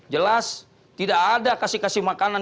jelas tidak ada kasih kasih makanan